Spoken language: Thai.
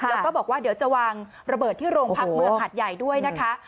แล้วก็บอกว่าเดี๋ยวจะวางระเบิดที่โรงพักเมืองหัดใหญ่ด้วยนะคะ